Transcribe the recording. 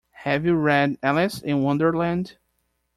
Have you read Alice in Wonderland?